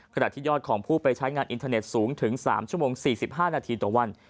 ขณะที่ยอดของผู้ไปใช้งานอินเทอร์เน็ตสูงถึง๓ชั่วโมง๔๕นาทีต่อวัน